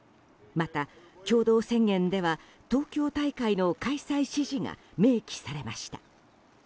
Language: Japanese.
また、共同宣言では東京大会の開催支持が明記されました。